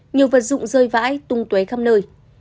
nhiều vật dụng rơi vãi tung tué khắp nơi